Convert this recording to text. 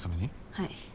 はい。